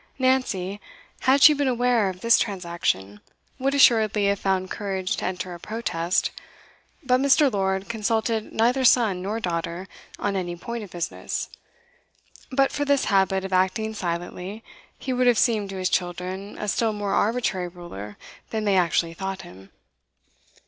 Nancy, had she been aware of this transaction, would assuredly have found courage to enter a protest, but Mr. Lord consulted neither son nor daughter on any point of business; but for this habit of acting silently, he would have seemed to his children a still more arbitrary ruler than they actually thought him.